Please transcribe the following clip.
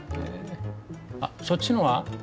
あっそっちのは？